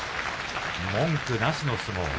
文句なしの相撲。